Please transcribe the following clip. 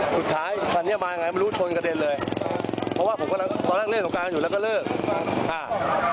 สุดท้ายคันนี้มาไงไม่รู้ชนกระเด็นเลยเพราะว่าผมกำลังเล่นสงการอยู่แล้วก็เลิกอ่า